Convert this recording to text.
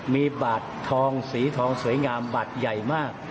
มีบัตรทองสีทองสวยงามบัตรใหญ่มาก